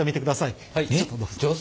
はい。